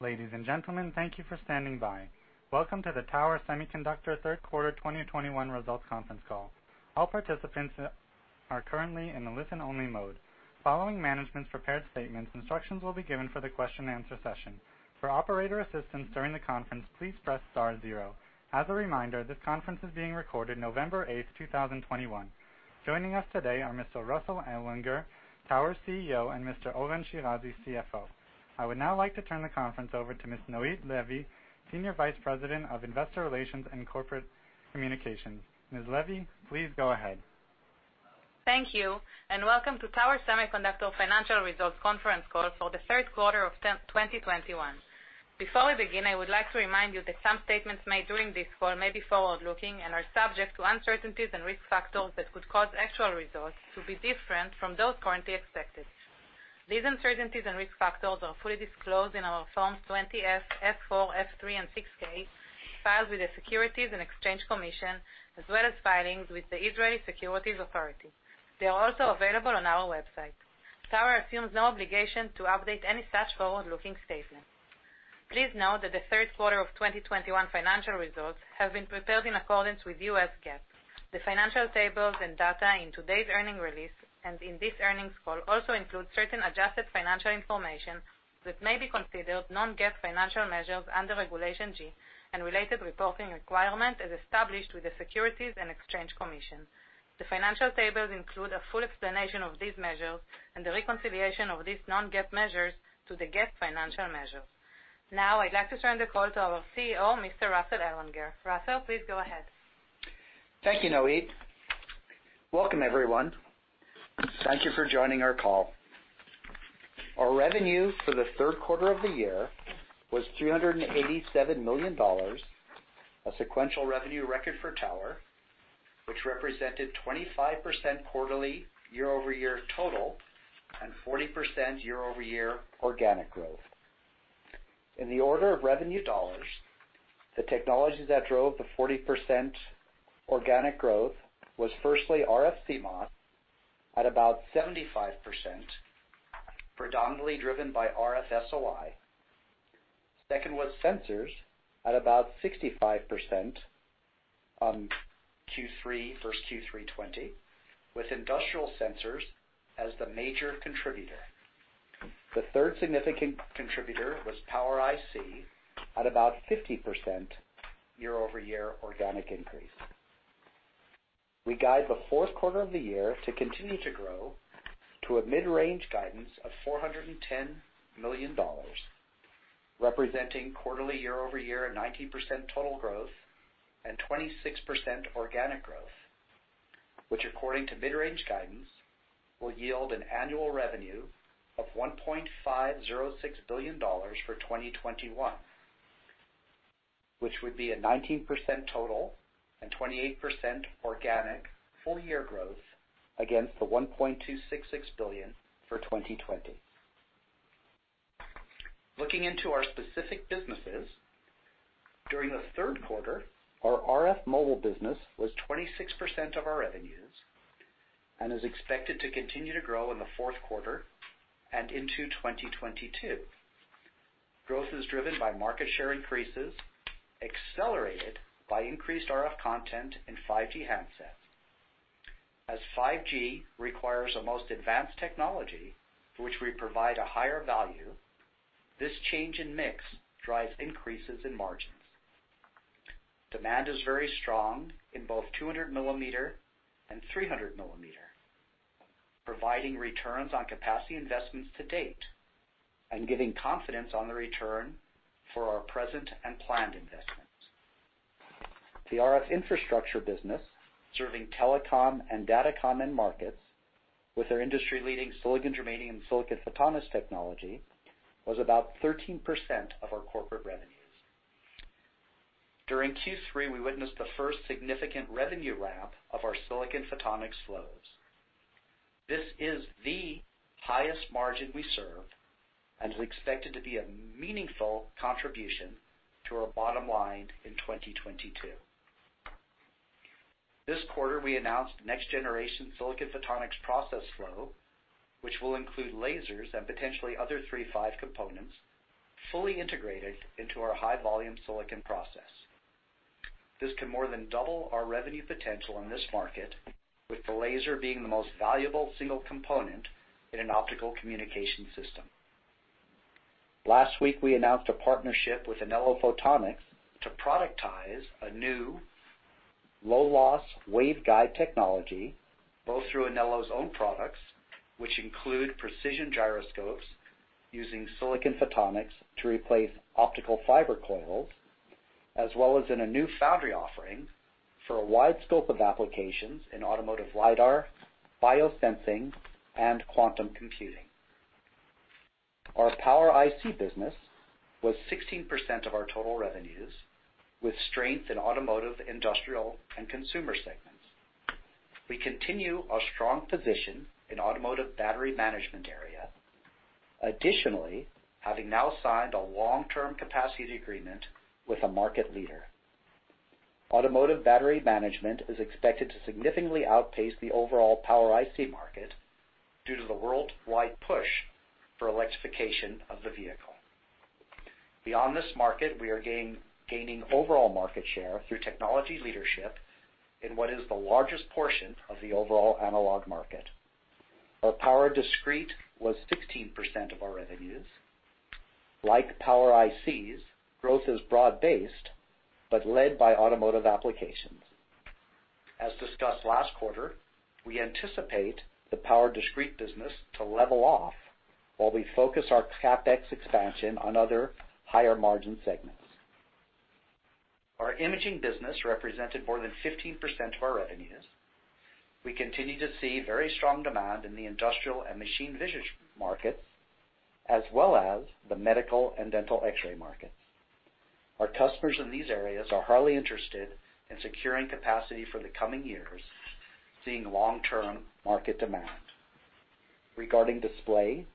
Ladies and gentlemen, thank you for standing by. Welcome to the Tower Semiconductor third quarter 2021 results conference call. All participants are currently in a listen-only mode. Following management's prepared statements, instructions will be given for the question-and-answer session. For operator assistance during the conference, please press star zero. As a reminder, this conference is being recorded November 8, 2021. Joining us today are Mr. Russell Ellwanger, Tower CEO, and Mr. Oren Shirazi, CFO. I would now like to turn the conference over to Ms. Noit Levy, Senior Vice President of Investor Relations and Corporate Communications. Ms. Levy, please go ahead. Thank you, and welcome to Tower Semiconductor financial results conference call for the third quarter of 2021. Before we begin, I would like to remind you that some statements made during this call may be forward-looking and are subject to uncertainties and risk factors that could cause actual results to be different from those currently expected. These uncertainties and risk factors are fully disclosed in our forms 20-F, F-4, F-3, and 6-K filed with the Securities and Exchange Commission, as well as filings with the Israel Securities Authority. They are also available on our website. Tower assumes no obligation to update any such forward-looking statements. Please note that the third quarter of 2021 financial results have been prepared in accordance with US GAAP. The financial tables and data in today's earnings release and in this earnings call also include certain adjusted financial information that may be considered non-GAAP financial measures under Regulation G and related reporting requirement as established with the Securities and Exchange Commission. The financial tables include a full explanation of these measures and the reconciliation of these non-GAAP measures to the GAAP financial measures. Now, I'd like to turn the call to our CEO, Mr. Russell Ellwanger. Russell, please go ahead. Thank you, Noit. Welcome, everyone. Thank you for joining our call. Our revenue for the third quarter of the year was $387 million, a sequential revenue record for Tower, which represented 25% quarterly year-over-year total, and 40% year-over-year organic growth. In the order of revenue dollars, the technologies that drove the 40% organic growth was firstly RF CMOS at about 75%, predominantly driven by RF SOI. Second was sensors at about 65% on Q3 versus Q3 2020, with industrial sensors as the major contributor. The third significant contributor was power IC at about 50% year-over-year organic increase. We guide the fourth quarter of the year to continue to grow to a mid-range guidance of $410 million, representing quarterly year-over-year a 19% total growth and 26% organic growth, which according to mid-range guidance, will yield an annual revenue of $1.506 billion for 2021, which would be a 19% total and 28% organic full year growth against the $1.266 billion for 2020. Looking into our specific businesses, during the third quarter, our RF mobile business was 26% of our revenues and is expected to continue to grow in the fourth quarter and into 2022. Growth is driven by market share increases, accelerated by increased RF content in 5G handsets. As 5G requires the most advanced technology, for which we provide a higher value, this change in mix drives increases in margins. Demand is very strong in both 200 mm and 300 mm, providing returns on capacity investments to date and giving confidence on the return for our present and planned investments. The RF infrastructure business, serving telecom, and datacom end markets with our industry-leading silicon-germanium silicon photonics technology, was about 13% of our corporate revenues. During Q3, we witnessed the first significant revenue ramp of our silicon photonics flows. This is the highest margin we serve and is expected to be a meaningful contribution to our bottom line in 2022. This quarter, we announced next generation silicon photonics process flow, which will include lasers and potentially other III-V components fully integrated into our high volume silicon process. This can more than double our revenue potential in this market, with the laser being the most valuable single component in an optical communication system. Last week, we announced a partnership with ANELLO Photonics to productize a new low loss waveguide technology, both through ANELLO's own products, which include precision gyroscopes using silicon photonics to replace optical fiber coils, as well as in a new foundry offering for a wide scope of applications in automotive LiDAR, biosensing, and quantum computing. Our power IC business was 16% of our total revenues, with strength in automotive, industrial, and consumer segments. We continue our strong position in automotive battery management area. Additionally, having now signed a long-term capacity agreement with a market leader. Automotive battery management is expected to significantly outpace the overall power IC market due to the worldwide push for electrification of the vehicle. Beyond this market, we are gaining overall market share through technology leadership in what is the largest portion of the overall analog market. Our power discrete was 16% of our revenues. Like power ICs, growth is broad-based, but led by automotive applications. As discussed last quarter, we anticipate the power discrete business to level off while we focus our CapEx expansion on other higher-margin segments. Our imaging business represented more than 15% of our revenues. We continue to see very strong demand in the industrial and machine vision markets, as well as the medical and dental X-ray markets. Our customers in these areas are highly interested in securing capacity for the coming years, seeing long-term market demand. Regarding display,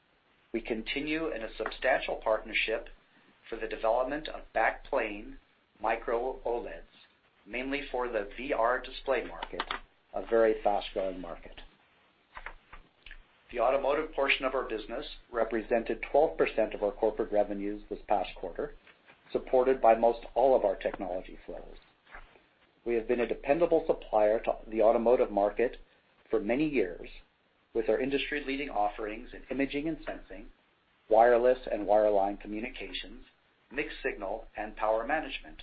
we continue in a substantial partnership for the development of backplane micro OLEDs, mainly for the VR display market, a very fast-growing market. The automotive portion of our business represented 12% of our corporate revenues this past quarter, supported by most all of our technology flows. We have been a dependable supplier to the automotive market for many years with our industry-leading offerings in imaging and sensing, wireless and wireline communications, mixed signal, and power management.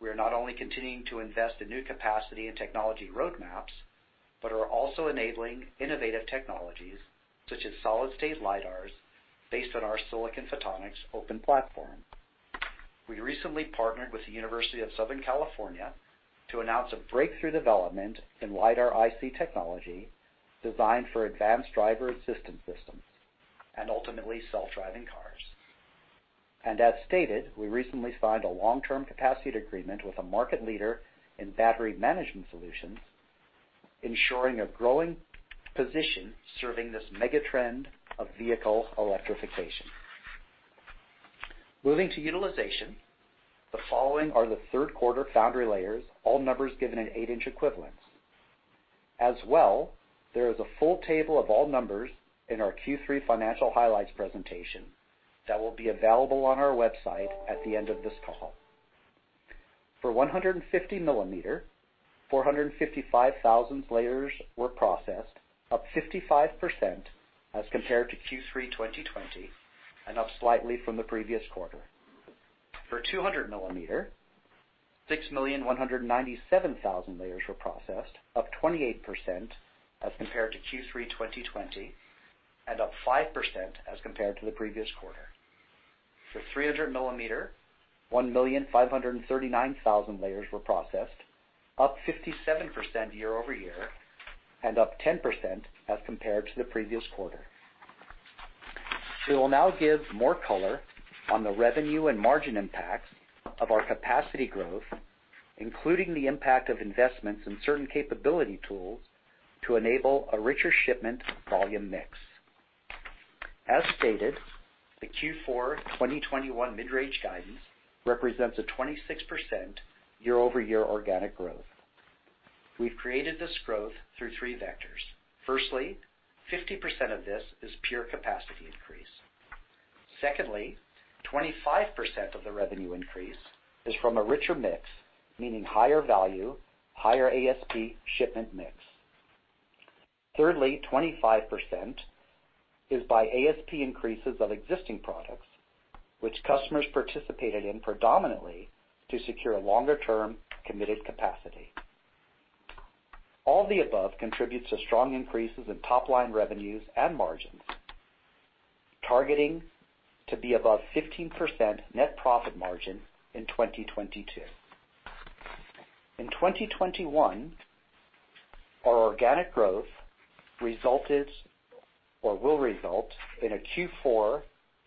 We are not only continuing to invest in new capacity and technology roadmaps, but are also enabling innovative technologies such as solid-state LiDARs based on our silicon photonics open platform. We recently partnered with the University of Southern California to announce a breakthrough development in LiDAR IC technology designed for advanced driver-assistance systems and ultimately self-driving cars. As stated, we recently signed a long-term capacity agreement with a market leader in battery management solutions, ensuring a growing position serving this megatrend of vehicle electrification. Moving to utilization, the following are the third quarter foundry layers, all numbers given in 8-in equivalents. As well, there is a full table of all numbers in our Q3 financial highlights presentation that will be available on our website at the end of this call. For 150 mm, 455,000 layers were processed, up 55% as compared to Q3 2020, and up slightly from the previous quarter. For 200 mm, 6,197,000 layers were processed, up 28% as compared to Q3 2020, and up 5% as compared to the previous quarter. For 300 mm, 1,539,000 layers were processed, up 57% year-over-year, and up 10% as compared to the previous quarter. We will now give more color on the revenue and margin impacts of our capacity growth, including the impact of investments in certain capability tools to enable a richer shipment volume mix. As stated, the Q4 2021 mid-range guidance represents a 26% year-over-year organic growth. We've created this growth through three vectors. Firstly, 50% of this is pure capacity increase. Secondly, 25% of the revenue increase is from a richer mix, meaning higher value, higher ASP shipment mix. Thirdly, 25% is by ASP increases of existing products, which customers participated in predominantly to secure longer-term committed capacity. All the above contributes to strong increases in top-line revenues and margins, targeting to be above 15% net profit margin in 2022. In 2021, our organic growth resulted or will result in a Q4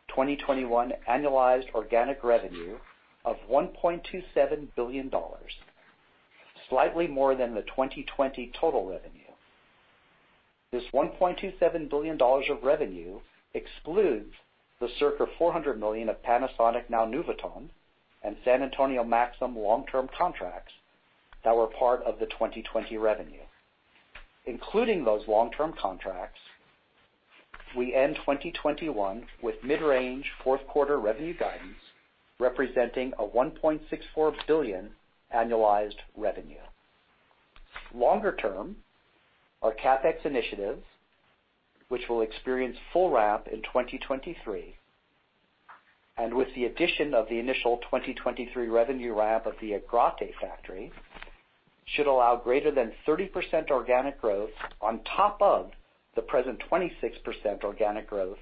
2021 annualized organic revenue of $1.27 billion, slightly more than the 2020 total revenue. This $1.27 billion of revenue excludes the circa $400 million of Panasonic now Nuvoton and San Antonio Maxim long-term contracts that were part of the 2020 revenue. Including those long-term contracts, we end 2021 with mid-range fourth quarter revenue guidance representing a $1.64 billion annualized revenue. Longer term, our CapEx initiatives, which will experience full ramp in 2023, and with the addition of the initial 2023 revenue ramp of the Agrate factory, should allow greater than 30% organic growth on top of the present 26% organic growth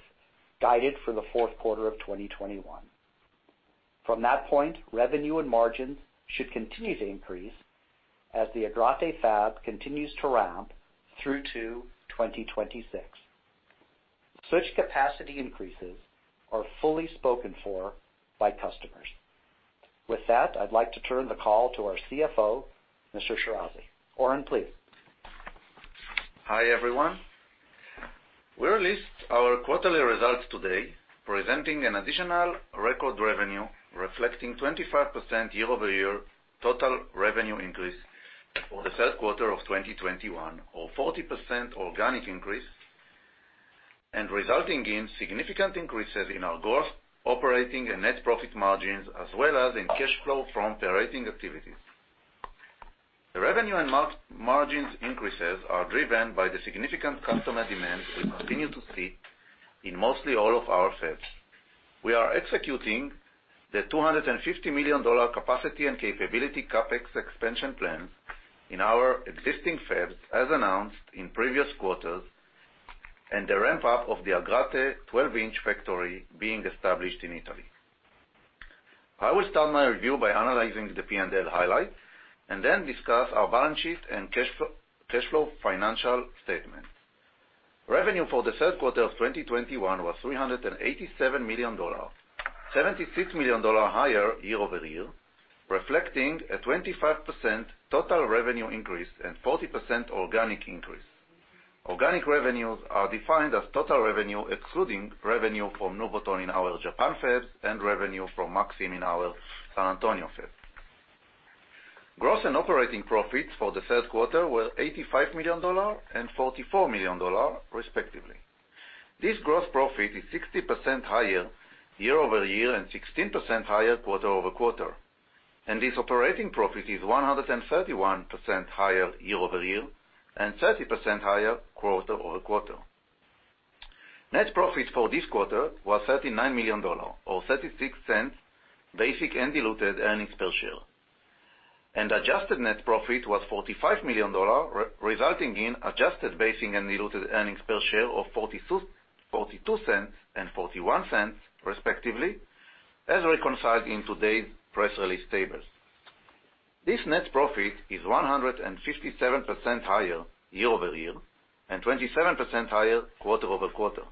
guided for the fourth quarter of 2021. From that point, revenue and margins should continue to increase as the Agrate fab continues to ramp through to 2026. Such capacity increases are fully spoken for by customers. With that, I'd like to turn the call to our CFO, Mr. Shirazi. Oren, please. Hi, everyone. We released our quarterly results today presenting an additional record revenue reflecting 25% year-over-year total revenue increase for the third quarter of 2021 or 40% organic increase and resulting in significant increases in our growth, operating and net profit margins, as well as in cash flow from operating activities. The revenue and margins increases are driven by the significant customer demand we continue to see in mostly all of our fabs. We are executing the $250 million capacity and capability CapEx expansion plans in our existing fabs, as announced in previous quarters, and the ramp-up of the Agrate 12-in factory being established in Italy. I will start my review by analyzing the P&L highlights and then discuss our balance sheet and cash flow financial statements. Revenue for the third quarter of 2021 was $387 million, $76 million higher year-over-year, reflecting a 25% total revenue increase and 40% organic increase. Organic revenues are defined as total revenue excluding revenue from Nuvoton in our Japan fab and revenue from Maxim in our San Antonio fab. Gross and operating profits for the third quarter were $85 million and $44 million, respectively. This gross profit is 60% higher year-over-year and 16% higher quarter-over-quarter. This operating profit is 131% higher year-over-year and 30% higher quarter-over-quarter. Net profit for this quarter was $39 million or $0.36 basic and diluted earnings per share. Adjusted net profit was $45 million, resulting in adjusted basic and diluted earnings per share of $0.42 and $0.41, respectively, as reconciled in today's press release tables. This net profit is 157% higher year-over-year and 27% higher quarter-over-quarter.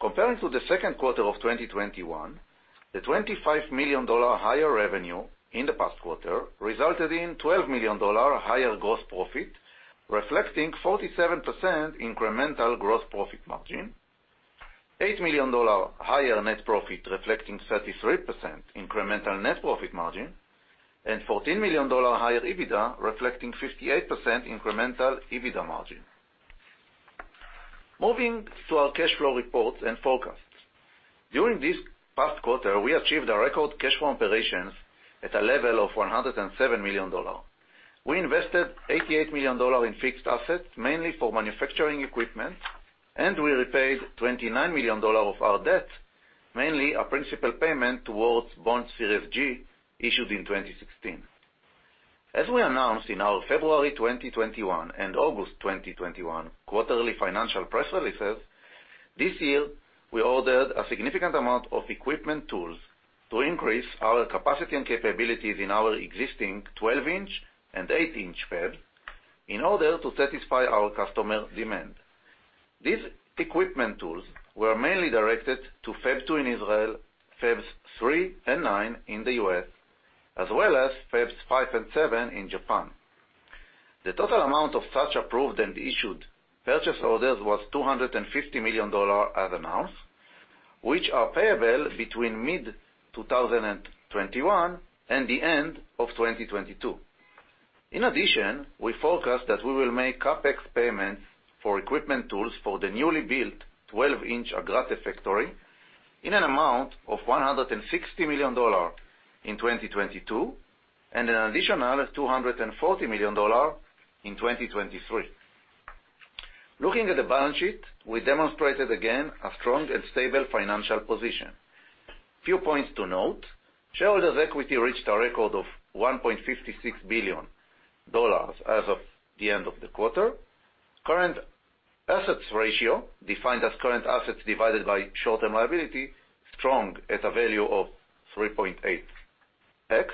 Comparing to the second quarter of 2021, the $25 million higher revenue in the past quarter resulted in $12 million higher gross profit, reflecting 47% incremental gross profit margin, $8 million higher net profit reflecting 33% incremental net profit margin, and $14 million higher EBITDA, reflecting 58% incremental EBITDA margin. Moving to our cash flow report and forecasts. During this past quarter, we achieved a record cash from operations at a level of $107 million. We invested $88 million in fixed assets, mainly for manufacturing equipment, and we repaid $29 million of our debt, mainly a principal payment towards bond Series G issued in 2016. As we announced in our February 2021 and August 2021 quarterly financial press releases, this year we ordered a significant amount of equipment tools to increase our capacity and capabilities in our existing 12-in and 8-in fab in order to satisfy our customer demand. These equipment tools were mainly directed to Fab 2 in Israel, Fabs 3 and 9 in the U.S., as well as Fabs 5 and 7 in Japan. The total amount of such approved and issued purchase orders was $250 million as announced, which are payable between mid-2021 and the end of 2022. In addition, we forecast that we will make CapEx payments for equipment tools for the newly built 12-in Agrate factory in an amount of $160 million in 2022 and an additional $240 million in 2023. Looking at the balance sheet, we demonstrated again a strong and stable financial position. Few points to note, shareholders' equity reached a record of $1.56 billion as of the end of the quarter. Current assets ratio, defined as current assets divided by short-term liability, strong at a value of 3.8x.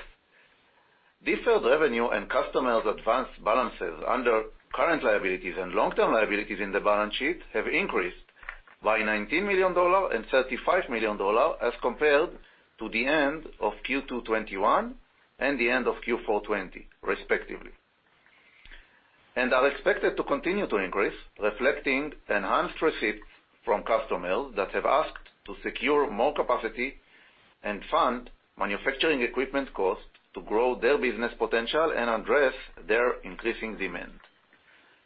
Deferred revenue and customers' advanced balances under current liabilities and long-term liabilities in the balance sheet have increased by $19 million and $35 million as compared to the end of Q2 2021 and the end of Q4 2020, respectively. And are expected to continue to increase, reflecting enhanced receipts from customers that have asked to secure more capacity and fund manufacturing equipment costs to grow their business potential and address their increasing demand.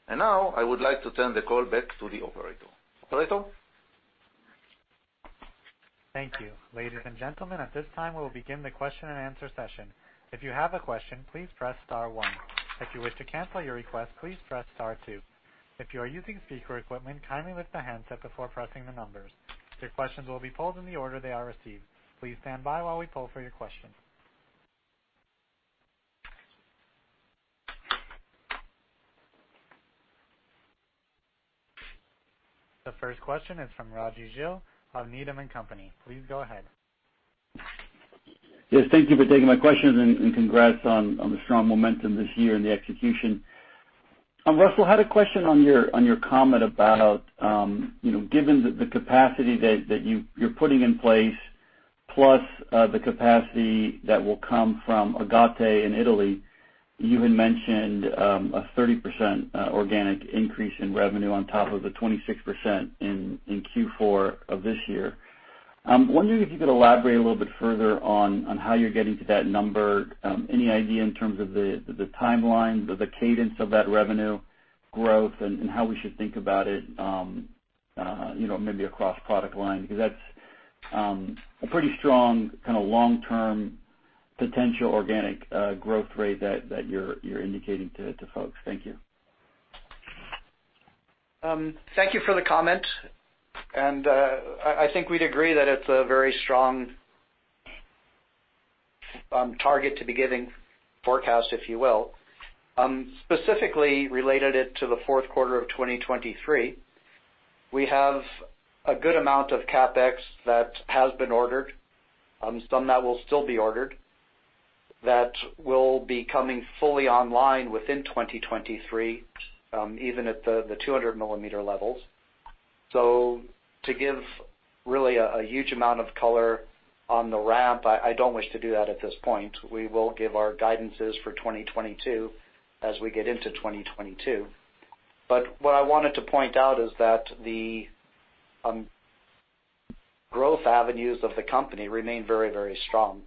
Now, I would like to turn the call back to the operator. Operator? Thank you. Ladies and gentlemen, at this time, we will begin the question-and-answer session. If you have a question, please press star one. If you wish to cancel your request, please press star two. If you are using speaker equipment, kindly lift the handset before pressing the numbers. Your questions will be pulled in the order they are received. Please stand by while we pull for your question. The first question is from Raji Gill of Needham & Company. Please go ahead. Yes, thank you for taking my questions and congrats on the strong momentum this year and the execution. Russell, I had a question on your comment about, you know, given the capacity that you're putting in place. The capacity that will come from Agrate in Italy. You had mentioned a 30% organic increase in revenue on top of the 26% in Q4 of this year. I'm wondering if you could elaborate a little bit further on how you're getting to that number. Any idea in terms of the timeline, the cadence of that revenue growth, and how we should think about it, you know, maybe across product line, because that's a pretty strong kind of long-term potential organic growth rate that you're indicating to folks. Thank you. Thank you for the comment. I think we'd agree that it's a very strong target to be giving forecast, if you will. Specifically related it to the fourth quarter of 2023, we have a good amount of CapEx that has been ordered, some that will still be ordered, that will be coming fully online within 2023, even at the 200 mm levels. To give really a huge amount of color on the ramp, I don't wish to do that at this point. We will give our guidances for 2022 as we get into 2022. What I wanted to point out is that the growth avenues of the company remain very, very strong,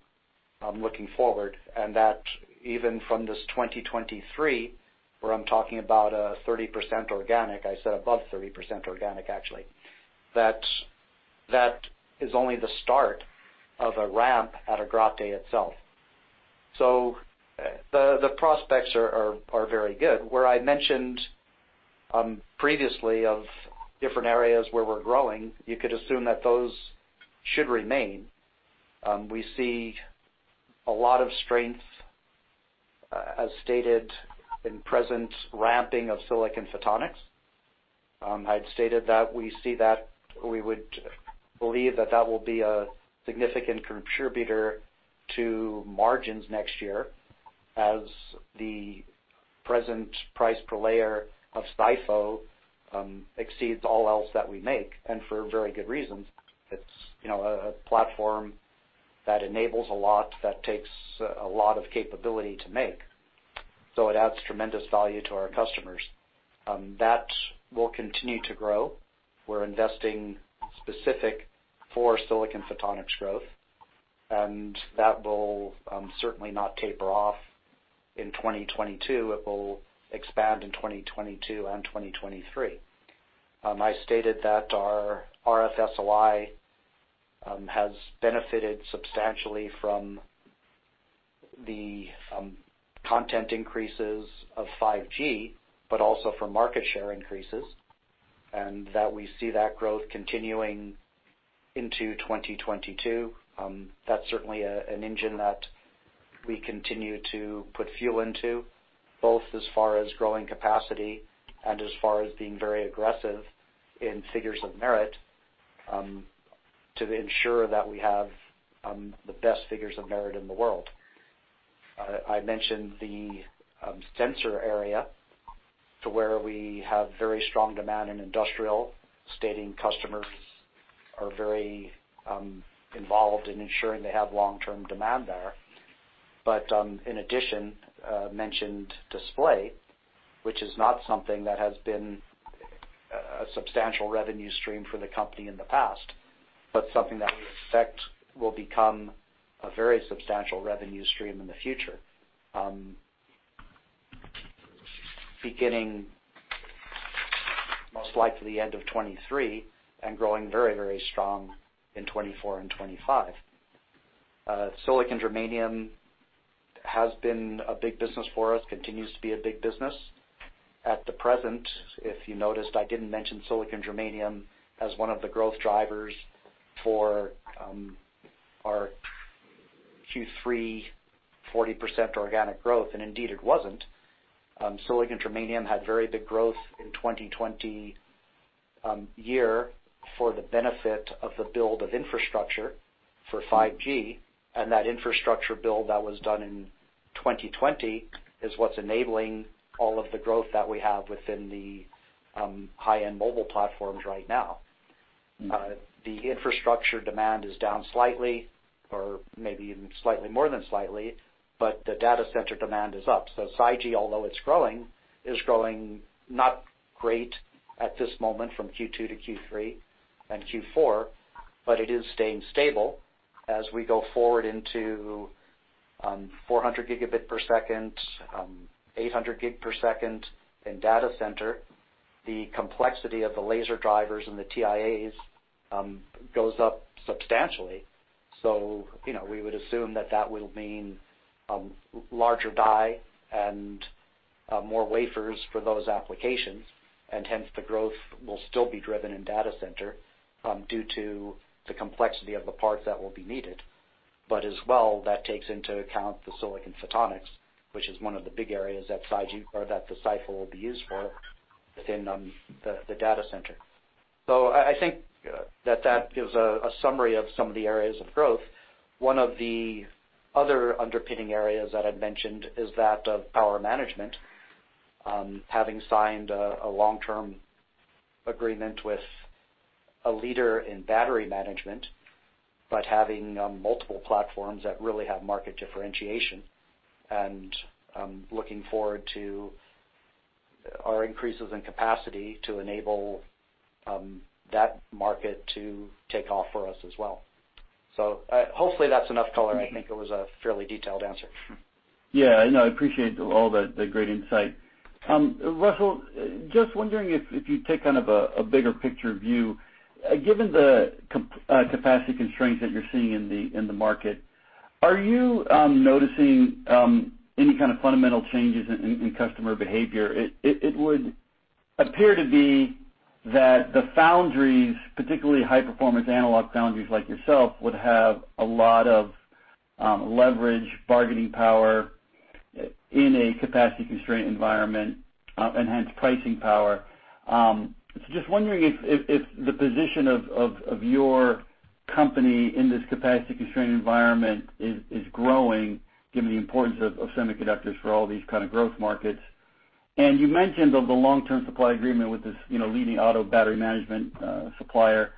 looking forward, and that even from this 2023, where I'm talking about a 30% organic. I said above 30% organic, actually, that is only the start of a ramp at Agrate itself. The prospects are very good. Where I mentioned previously of different areas where we're growing, you could assume that those should remain. We see a lot of strength as stated in present ramping of silicon photonics. I'd stated that we see that we would believe that will be a significant contributor to margins next year as the present price per layer of SiPho exceeds all else that we make, and for very good reasons. It's, you know, a platform that enables a lot, that takes a lot of capability to make. It adds tremendous value to our customers. That will continue to grow. We're investing specifically for silicon photonics growth, and that will certainly not taper off in 2022. It will expand in 2022 and 2023. I stated that our RF SOI has benefited substantially from the content increases of 5G, but also from market share increases, and that we see that growth continuing into 2022. That's certainly an engine that we continue to put fuel into, both as far as growing capacity and as far as being very aggressive in figures of merit, to ensure that we have the best figures of merit in the world. I mentioned the sensor area where we have very strong demand in industrial, staying customers are very involved in ensuring they have long-term demand there. In addition, I mentioned display, which is not something that has been a substantial revenue stream for the company in the past, but something that we expect will become a very substantial revenue stream in the future, beginning most likely end of 2023 and growing very, very strong in 2024 and 2025. Silicon germanium has been a big business for us, continues to be a big business. At the present, if you noticed, I didn't mention silicon germanium as one of the growth drivers for our Q3 40% organic growth, and indeed it wasn't. Silicon germanium had very big growth in 2020 year for the benefit of the build of infrastructure for 5G. That infrastructure build that was done in 2020 is what's enabling all of the growth that we have within the high-end mobile platforms right now. The infrastructure demand is down slightly or maybe even slightly more than slightly, but the data center demand is up. SiGe, although it's growing, is growing not great at this moment from Q2 to Q3 and Q4, but it is staying stable. As we go forward into 400 Gbps, 800 Gbps in data center, the complexity of the laser drivers and the TIAs goes up substantially. You know, we would assume that will mean larger die and more wafers for those applications, and hence the growth will still be driven in data center due to the complexity of the parts that will be needed. As well, that takes into account the silicon photonics, which is one of the big areas that SiGe or that the SiPho will be used for within the data center. I think that gives a summary of some of the areas of growth. One of the other underpinning areas that I'd mentioned is that of power management, having signed a long-term agreement with a leader in battery management, but having multiple platforms that really have market differentiation, and looking forward to our increases in capacity to enable that market to take off for us as well. Hopefully that's enough color. I think it was a fairly detailed answer. Yeah, no, I appreciate all the great insight. Russell, just wondering if you take kind of a bigger picture view, given the capacity constraints that you're seeing in the market, are you noticing any kind of fundamental changes in customer behavior? It would appear to be that the foundries, particularly high-performance analog foundries like yourself, would have a lot of leverage, bargaining power in a capacity-constrained environment, enhanced pricing power. Just wondering if the position of your company in this capacity-constrained environment is growing given the importance of semiconductors for all these kind of growth markets. You mentioned the long-term supply agreement with this, you know, leading auto battery management supplier.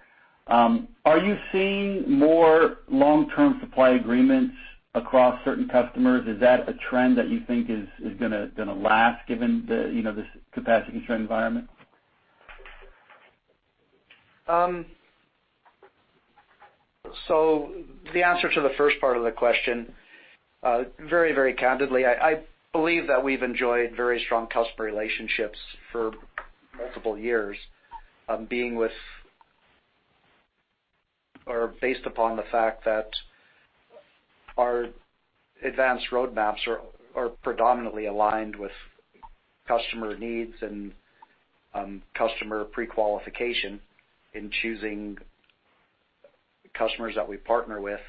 Are you seeing more long-term supply agreements across certain customers? Is that a trend that you think is gonna last given the, you know, this capacity-constrained environment? The answer to the first part of the question, very, very candidly, I believe that we've enjoyed very strong customer relationships for multiple years, being with or based upon the fact that our advanced roadmaps are predominantly aligned with customer needs and customer prequalification in choosing customers that we partner with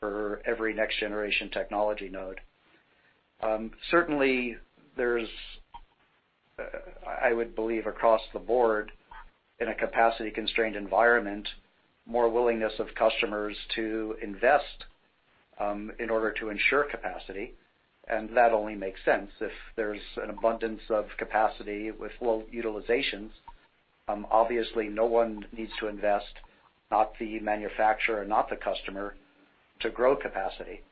for every next-generation technology node. Certainly, I would believe across the board in a capacity-constrained environment, more willingness of customers to invest in order to ensure capacity, and that only makes sense. If there's an abundance of capacity with low utilizations, obviously no one needs to invest, not the manufacturer, not the customer, to grow capacity.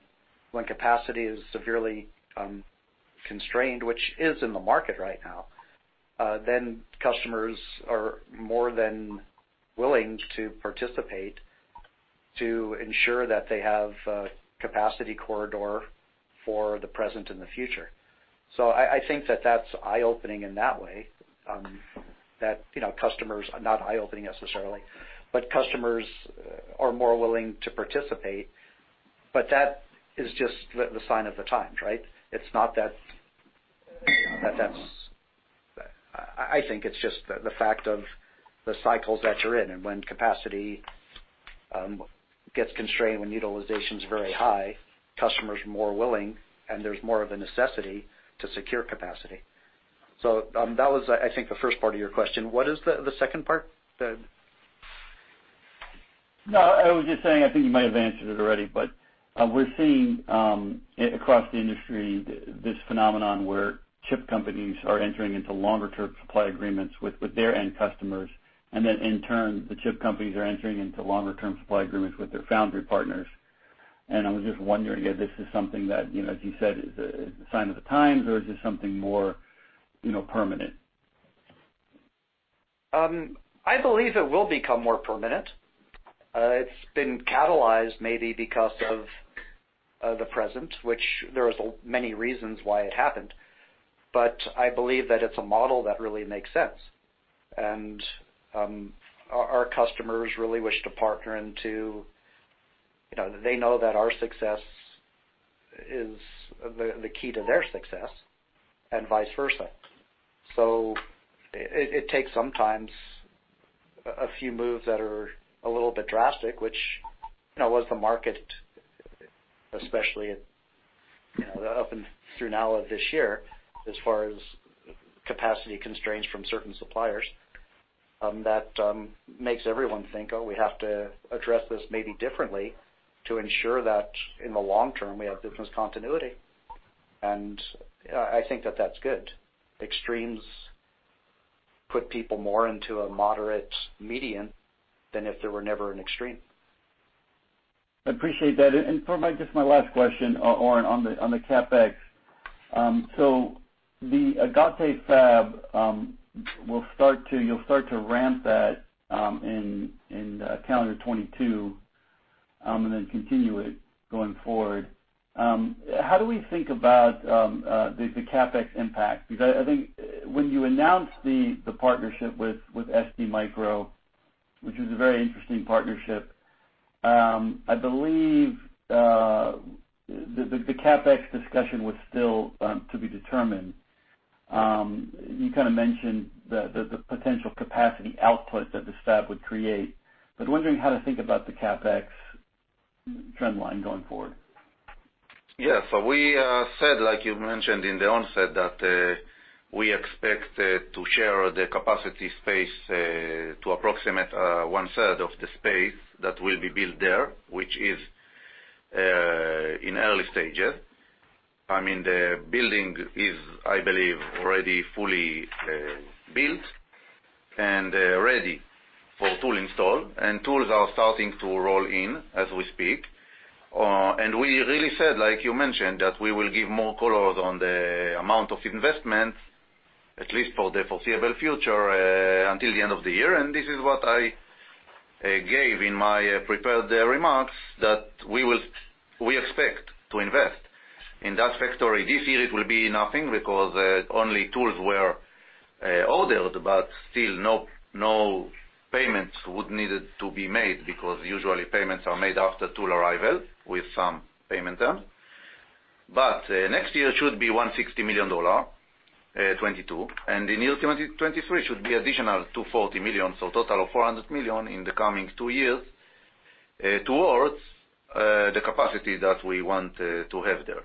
When capacity is severely constrained, which is in the market right now, then customers are more than willing to participate to ensure that they have a capacity corridor for the present and the future. I think that that's eye-opening in that way, that you know, customers are not eye-opening necessarily, but customers are more willing to participate. That is just the sign of the times, right? It's not that that's. I think it's just the fact of the cycles that you're in, and when capacity gets constrained, when utilization is very high, customers are more willing, and there's more of a necessity to secure capacity. That was, I think, the first part of your question. What is the second part? The? No, I was just saying, I think you might have answered it already, but, we're seeing, across the industry this phenomenon where chip companies are entering into longer-term supply agreements with their end customers, and then in turn, the chip companies are entering into longer-term supply agreements with their foundry partners. I was just wondering if this is something that, you know, as you said, is a sign of the times, or is this something more, you know, permanent? I believe it will become more permanent. It's been catalyzed maybe because of the present, which there is many reasons why it happened, but I believe that it's a model that really makes sense. Our customers really wish to partner into, you know, they know that our success is the key to their success and vice versa. It takes sometimes a few moves that are a little bit drastic, which, you know, was the market, especially, you know, up and through now of this year, as far as capacity constraints from certain suppliers, that makes everyone think, "Oh, we have to address this maybe differently to ensure that in the long term, we have business continuity." You know, I think that that's good. Extremes put people more into a moderate median than if there were never an extreme. I appreciate that. For just my last question, Oren, on the CapEx. So the Agrate fab, you'll start to ramp that in calendar 2022 and then continue it going forward. How do we think about the CapEx impact? Because I think when you announced the partnership with STMicro, which is a very interesting partnership, I believe the CapEx discussion was still to be determined. You kind of mentioned the potential capacity output that this fab would create, but wondering how to think about the CapEx trend line going forward. Yeah. We said, like you mentioned in the onset, that we expect to share the capacity space to approximate one-third of the space that will be built there, which is in early stages. I mean, the building is, I believe, already fully built and ready for tool install, and tools are starting to roll in as we speak. We really said, like you mentioned, that we will give more color on the amount of investment, at least for the foreseeable future, until the end of the year. This is what I gave in my prepared remarks, that we expect to invest in that factory this year, it will be nothing because only tools were ordered, but still no payments would need to be made because usually payments are made after tool arrival with some payment term. Next year should be $160 million in 2022, and in year 2023 should be additional $240 million, so a total of $400 million in the coming two years towards the capacity that we want to have there.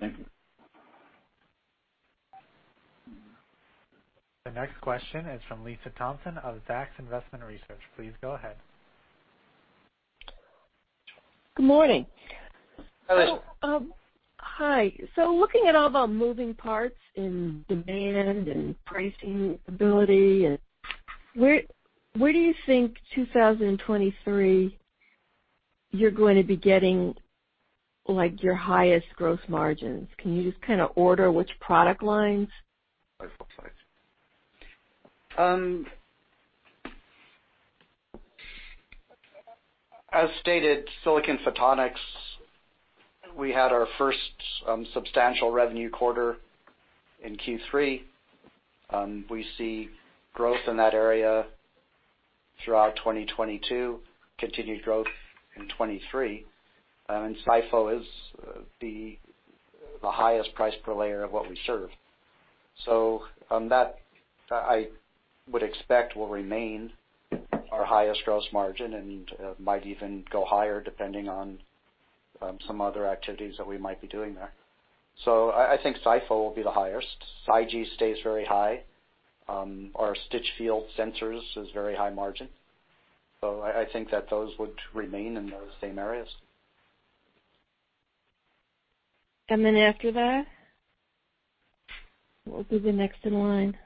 Thank you. The next question is from Lisa Thompson of Zacks Investment Research. Please go ahead. Good morning. Hello. Hi. Looking at all the moving parts in demand and pricing ability and where do you think 2023 you're going to be getting, like, your highest gross margins? Can you just kind of order which product lines? As stated, silicon photonics, we had our first substantial revenue quarter in Q3. We see growth in that area throughout 2022, continued growth in 2023. SiPho is the highest price per layer of what we serve. That I would expect will remain our highest gross margin and might even go higher depending on some other activities that we might be doing there. I think SiPho will be the highest. SiGe stays very high. Our stitch field sensors is very high margin. I think that those would remain in those same areas. After that, what would be the next in line?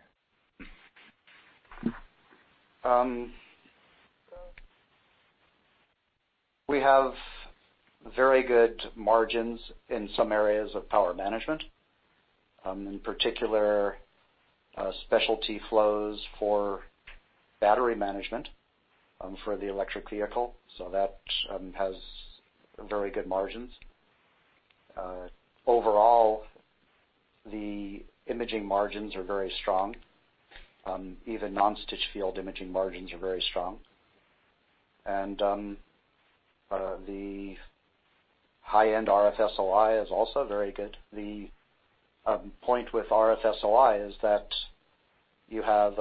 We have very good margins in some areas of power management, in particular, specialty flows for battery management, for the electric vehicle. That has very good margins. Overall, the imaging margins are very strong. Even non-stitch field imaging margins are very strong. The high-end RF SOI is also very good. The point with RF SOI is that you have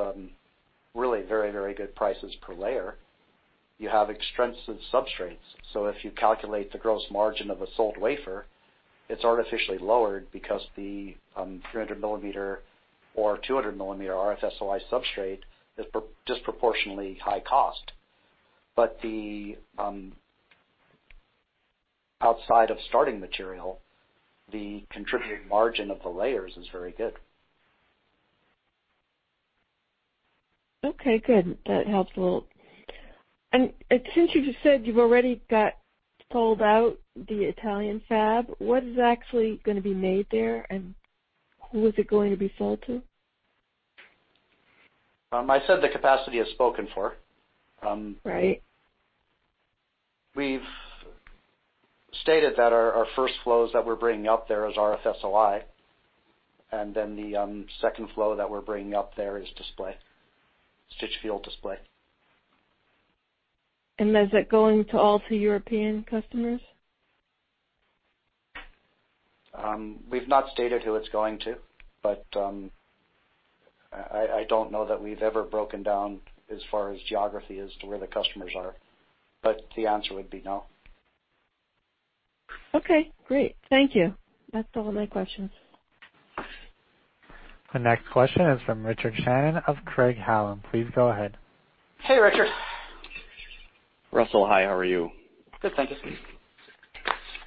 really very, very good prices per layer. You have expensive substrates. If you calculate the gross margin of a sold wafer, it's artificially lowered because the 300 mm or 200 mm RF SOI substrate is disproportionately high cost. The outside of starting material, the contribution margin of the layers is very good. Okay, good. That helps a little. Since you just said you've already got sold out the Italian fab, what is actually gonna be made there, and who is it going to be sold to? I said the capacity is spoken for. Right. We've stated that our first flows that we're bringing up there is RF SOI, and then the second flow that we're bringing up there is display, stitch field display. Is it going to all European customers? We've not stated who it's going to, but, I don't know that we've ever broken down as far as geography as to where the customers are, but the answer would be no. Okay, great. Thank you. That's all my questions. The next question is from Richard Shannon of Craig-Hallum. Please go ahead. Hey, Richard. Russell, hi, how are you? Good, thank you.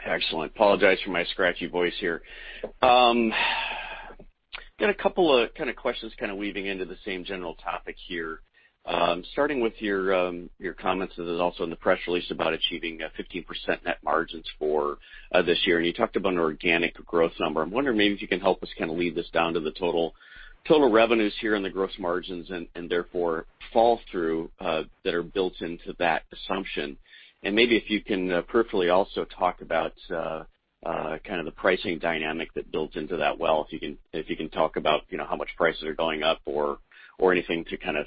Excellent. I apologize for my scratchy voice here. Got a couple of kind of questions kind of weaving into the same general topic here. Starting with your comments, and it was also in the press release about achieving 15% net margins for this year, and you talked about an organic growth number. I'm wondering maybe if you can help us kind of lead this down to the total revenues here and the gross margins and therefore flow through that are built into that assumption. Maybe if you can peripherally also talk about kind of the pricing dynamic that builds into that well. If you can talk about, you know, how much prices are going up or anything to kind of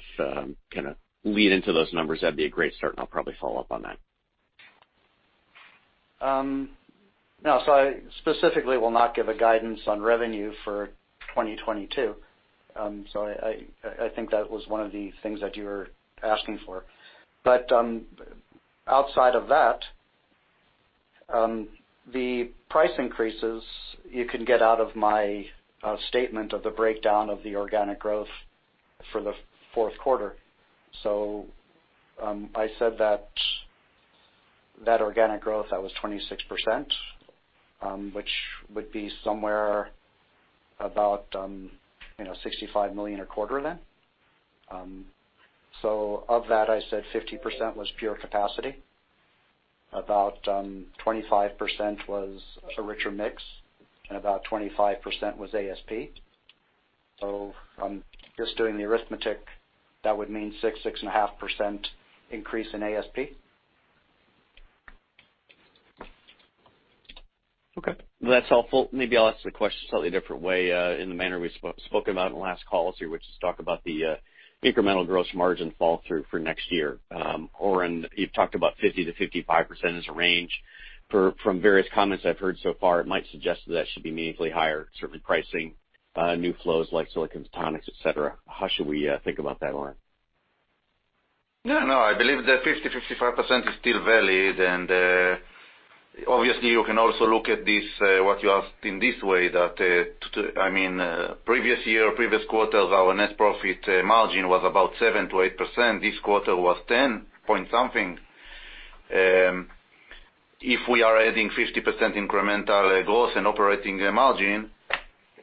kind of lead into those numbers, that'd be a great start, and I'll probably follow up on that. No. I specifically will not give a guidance on revenue for 2022. I think that was one of the things that you were asking for. Outside of that, the price increases you can get out of my statement of the breakdown of the organic growth for the fourth quarter. I said that organic growth that was 26%, which would be somewhere about, you know, $65 million a quarter then. Of that, I said 50% was pure capacity. About 25% was a richer mix, and about 25% was ASP. I'm just doing the arithmetic. That would mean 6%, 6.5% increase in ASP. Okay, that's helpful. Maybe I'll ask the question a slightly different way, in the manner we spoke about in the last calls here, which is talk about the incremental gross margin fall through for next year. Oren, you've talked about 50%-55% as a range. From various comments I've heard so far, it might suggest that should be meaningfully higher, certainly pricing, new flows like silicon photonics, etc. How should we think about that line? No, no, I believe that 50%-55% is still valid. Obviously, you can also look at this what you asked in this way, that I mean, previous year, previous quarters, our net profit margin was about 7%-8%. This quarter was 10 point something. If we are adding 50% incremental growth and operating margin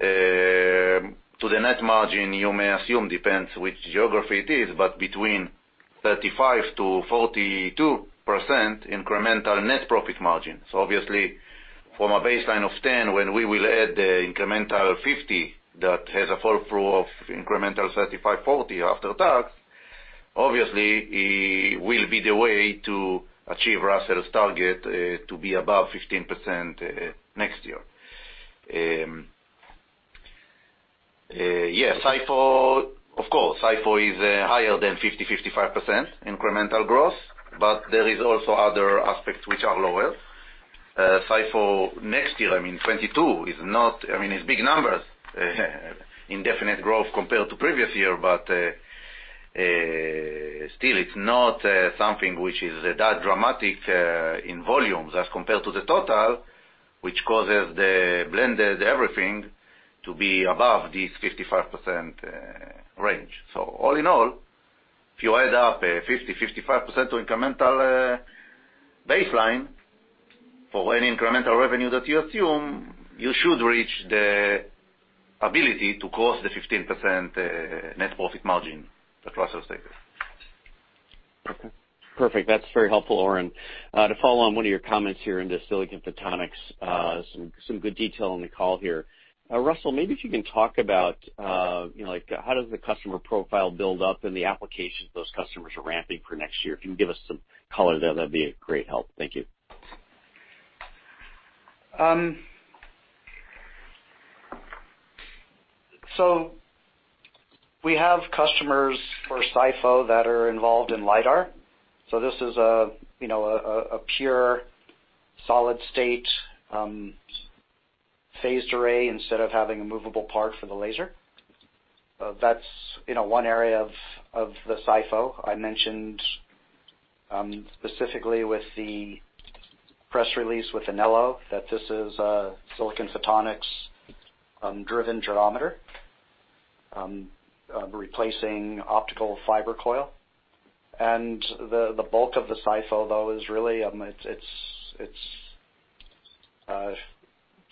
to the net margin, you may assume depends which geography it is, but between 35%-42% incremental net profit margin. Obviously from a baseline of 10%, when we will add the incremental 50% that has a fall through of incremental 35%, 40% after tax, it will be the way to achieve Russell's target to be above 15% next year. Yes, SiPho, of course, SiPho is higher than 50%-55% incremental growth, but there is also other aspects which are lower. SiPho next year, I mean, 2022 is not, I mean, it's big numbers in definite growth compared to previous year, but still, it's not something which is that dramatic in volumes as compared to the total, which causes the blended everything to be above this 55% range. All in all, if you add up a 50%-55% to incremental baseline for any incremental revenue that you assume, you should reach the ability to cross the 15% net profit margin that Russell stated. Okay. Perfect. That's very helpful, Oren. To follow on one of your comments here into silicon photonics, some good detail on the call here. Russell, maybe if you can talk about, you know, like how does the customer profile build up and the applications those customers are ramping for next year. If you can give us some color there, that'd be a great help. Thank you. We have customers for SiPho that are involved in LiDAR. This is you know a pure solid state phased array instead of having a movable part for the laser. That's you know one area of the SiPho. I mentioned specifically with the press release with Anello that this is a silicon photonics driven gyroscope replacing optical fiber coil. The bulk of the SiPho, though, is really it's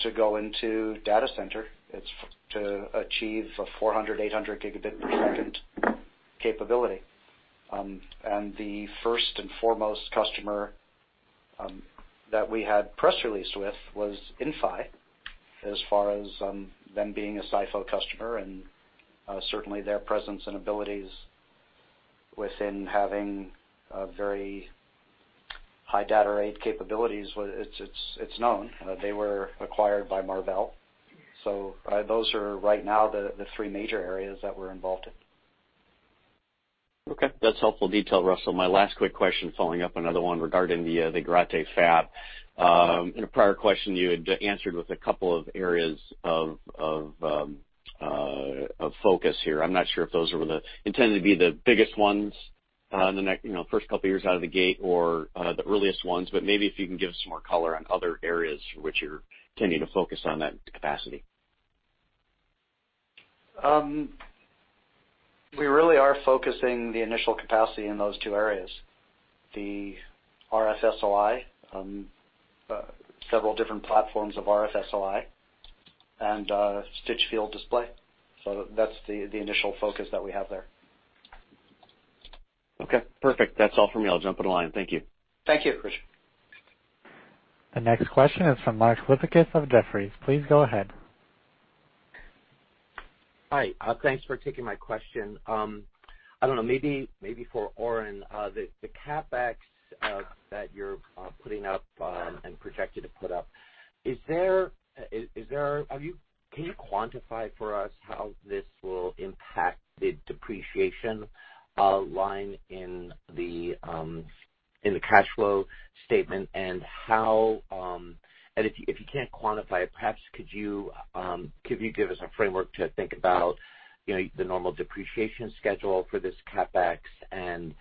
to go into data center. It's to achieve a 400 Gbps, 800 Gbps capability. The first and foremost customer that we had press released with was Inphi, as far as them being a SiPho customer, and certainly their presence and abilities within having a very high data rate capabilities. It's known. They were acquired by Marvell. Those are right now the three major areas that we're involved in. Okay. That's helpful detail, Russell. My last quick question following up another one regarding the Agrate fab. In a prior question, you had answered with a couple of areas of focus here. I'm not sure if those were intended to be the biggest ones in the next, you know, first couple of years out of the gate or the earliest ones, but maybe if you can give us some more color on other areas which you're tending to focus on that capacity. We really are focusing the initial capacity in those two areas, the RF SOI, several different platforms of RF SOI and stitch field display. That's the initial focus that we have there. Okay. Perfect. That's all for me. I'll jump on the line. Thank you. Thank you. Appreciate it. The next question is from Mark Lipacis of Jefferies. Please go ahead. Hi. Thanks for taking my question. I don't know, maybe for Oren, the CapEx that you're putting up and projected to put up, is there, can you quantify for us how this will impact the depreciation line in the cash flow statement and how. If you can't quantify it, perhaps could you give us a framework to think about, you know, the normal depreciation schedule for this CapEx and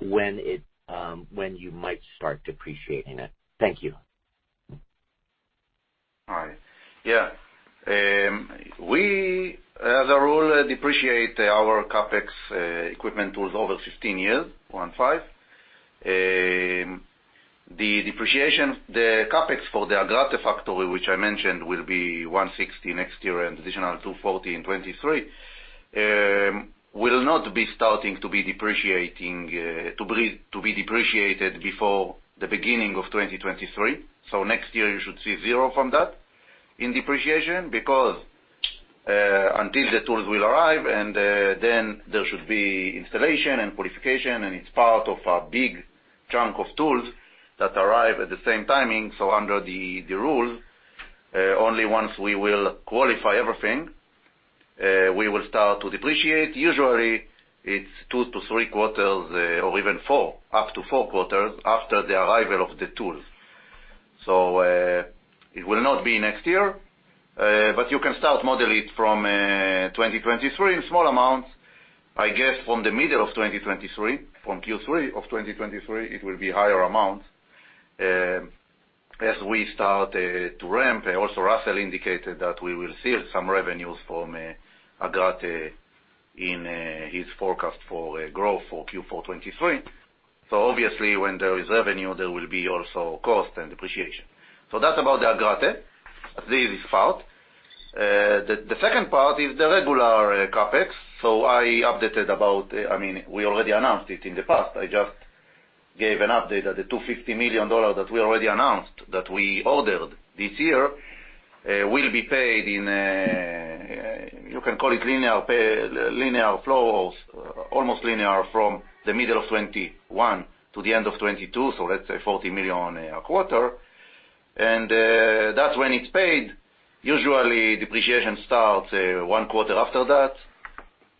when you might start depreciating it? Thank you. Yeah. We, as a rule, depreciate our CapEx equipment tools over 15 years, one five. The CapEx for the Agrate factory, which I mentioned, will be $160 next year and additional $240 in 2023, will not be depreciated before the beginning of 2023. Next year you should see zero from that in depreciation because until the tools will arrive, and then there should be installation and qualification, and it's part of a big chunk of tools that arrive at the same timing. Under the rules, only once we will qualify everything, we will start to depreciate. Usually, it's two to three quarters or even four, up to four quarters after the arrival of the tools. It will not be next year. You can start modeling it from 2023 in small amounts, I guess, from the middle of 2023. From Q3 of 2023, it will be higher amounts, as we start to ramp. Also, Russell indicated that we will see some revenues from Agrate in his forecast for growth for Q4 2023. Obviously, when there is revenue, there will be also cost and depreciation. That's about the Agrate. This is part. The second part is the regular CapEx. I updated about, I mean, we already announced it in the past. I just gave an update that the $250 million that we already announced, that we ordered this year, will be paid in, you can call it linear payments, linear flows, almost linear from the middle of 2021 to the end of 2022. Let's say $40 million a quarter. That's when it's paid. Usually depreciation starts one quarter after that.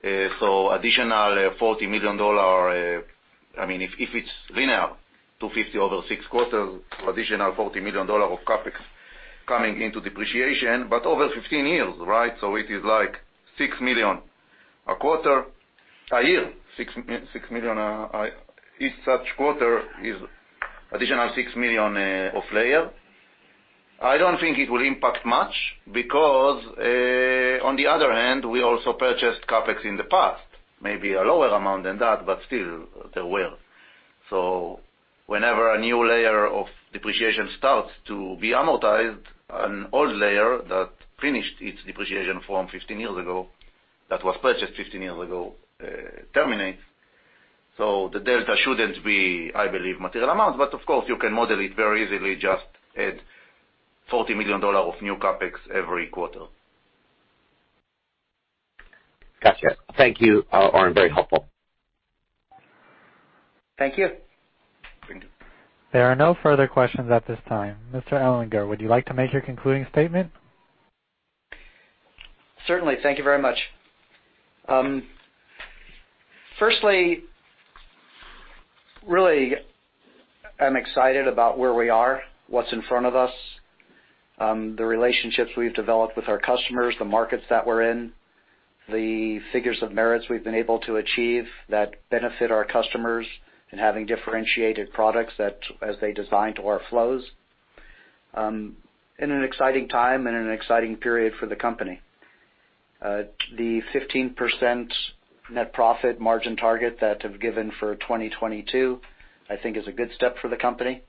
Additional $40 million. I mean, if it's linear, $250 million over six quarters, additional $40 million of CapEx coming into depreciation, but over 15 years, right? It is like 6 million a quarter a year. Each such quarter is additional 6 million of layer. I don't think it will impact much because on the other hand, we also purchased CapEx in the past, maybe a lower amount than that, but still there were. Whenever a new layer of depreciation starts to be amortized, an old layer that finished its depreciation from 15 years ago, that was purchased 15 years ago, terminates. The delta shouldn't be, I believe, material amount. Of course, you can model it very easily, just add $40 million of new CapEx every quarter. Gotcha. Thank you, Oren. Very helpful. Thank you. There are no further questions at this time. Mr. Ellwanger, would you like to make your concluding statement? Certainly. Thank you very much. Firstly, really, I'm excited about where we are, what's in front of us, the relationships we've developed with our customers, the markets that we're in, the figures of merits we've been able to achieve that benefit our customers in having differentiated products that as they design to our flows, in an exciting time and in an exciting period for the company. The 15% net profit margin target that I've given for 2022, I think is a good step for the company,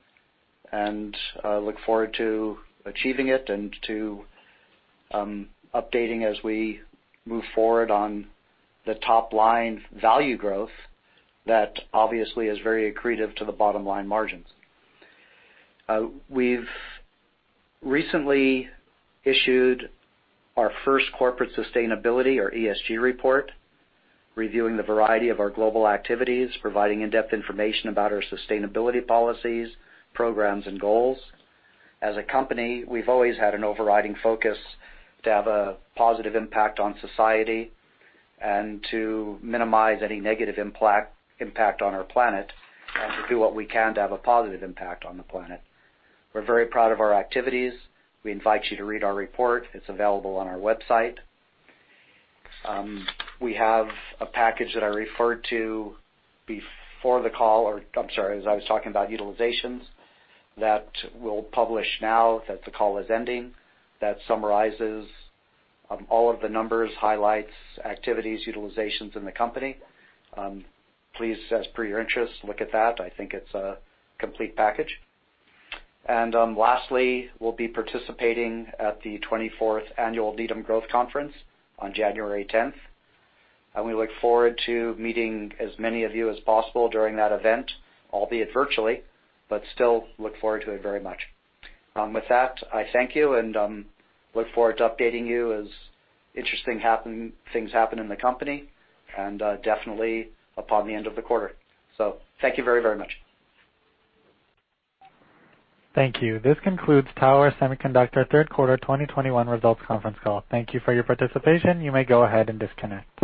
and, look forward to achieving it and to, updating as we move forward on the top-line value growth that obviously is very accretive to the bottom line margins. We've recently issued our first corporate sustainability or ESG report, reviewing the variety of our global activities, providing in-depth information about our sustainability policies, programs, and goals. As a company, we've always had an overriding focus to have a positive impact on society and to minimize any negative impact on our planet and to do what we can to have a positive impact on the planet. We're very proud of our activities. We invite you to read our report. It's available on our website. We have a package that I referred to before the call, or I'm sorry, as I was talking about utilizations, that we'll publish now that the call is ending, that summarizes all of the numbers, highlights, activities, utilizations in the company. Please, as per your interest, look at that. I think it's a complete package. Lastly, we'll be participating at the 24th Annual Needham Growth Conference on January 10th. We look forward to meeting as many of you as possible during that event, albeit virtually, but still look forward to it very much. With that, I thank you and look forward to updating you as things happen in the company and definitely upon the end of the quarter. Thank you very, very much. Thank you. This concludes Tower Semiconductor third quarter 2021 results conference call. Thank you for your participation. You may go ahead and disconnect.